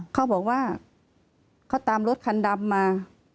เขาบอกว่าเขาตามรถคันดำมา